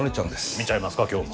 見ちゃいますか今日も。